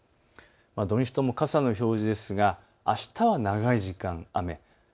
土日とも傘の表示ですがあしたは長い時間、雨。